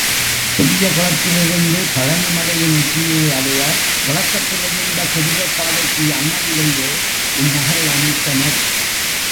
பெரிய குளத்திலிருந்து பழனி மலையின் உச்சியை அடையப் புழக்கத்திலிருந்த குதிரைப் பாதைக்கு அண்மையிலேயே, இந் நகரை அமைத்தனர்.